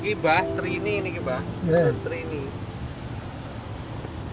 ini mbah trini ini mbah